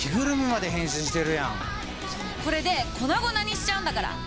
これで粉々にしちゃうんだから！